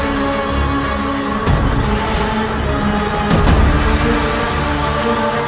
aku harus membantu mereka ayah